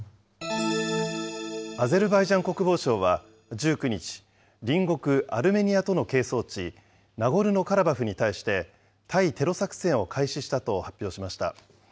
アゼルバイジャン国防省は、１９日、隣国アルメニアとの係争地、ナゴルノカラバフに対して、対テロ作戦を開始したと発表しました。